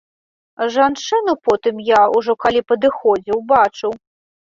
Жанчыну потым я, ужо калі падыходзіў, бачыў.